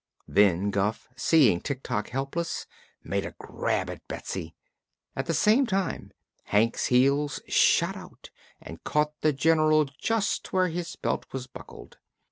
Then Guph, seeing Tik Tok helpless, made a grab at Betsy. At the same time Hank's heels shot out and caught the General just where his belt was buckled.